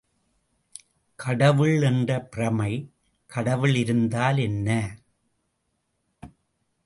கடவுள் என்ற பிரமை கடவுள் இருந்தால் என்ன?